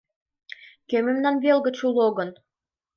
Кӧ мемнан вел гыч уло гын?